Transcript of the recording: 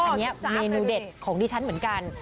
อันนี้เมนูเด็ดของดิฉันเหมือนกัน